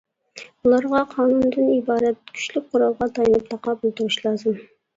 ئۇلارغا قانۇندىن ئىبارەت كۈچلۈك قورالغا تايىنىپ تاقابىل تۇرۇش لازىم.